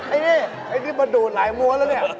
ไอ้นี่เอาที่พาดูหลายมัวแล้ว